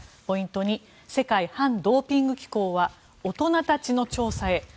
ポイント２世界反ドーピング機構は大人たちの調査へ。